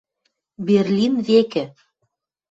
Берлин векӹ